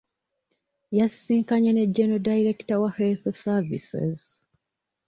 Yasisinkanye ne General Director wa health Services.